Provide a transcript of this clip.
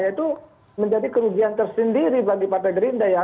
itu menjadi kerugian tersendiri bagi partai grindra